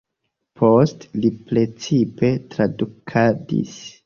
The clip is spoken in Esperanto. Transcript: Poste li precipe tradukadis.